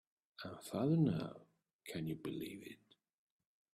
I am father now, can you believe it?